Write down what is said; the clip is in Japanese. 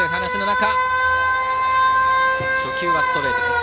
初球はストレート。